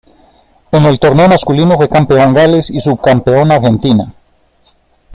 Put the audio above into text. En el torneo masculino fue campeón Gales y subcampeón Argentina.